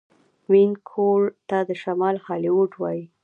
وینکوور ته د شمال هالیوډ وايي.